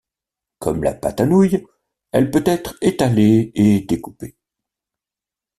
Comme la pâte à nouilles, elle peut être étalée et découpée.